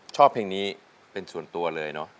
ชอบเพลงนี้เป็นส่วนตัวเลยเนอะ